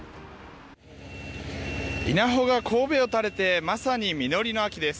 稲穂が頭を垂れて、まさに実りの秋です。